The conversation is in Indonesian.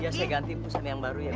iya saya ganti pusat yang baru ya bu